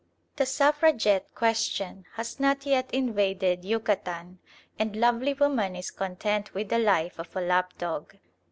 The Suffragette question has not yet invaded Yucatan, and lovely woman is content with the life of a lapdog.